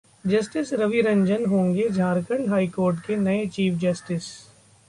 justice Ravi Ranjan होंगे Jharkhand high court के नए चीफ जस्टिस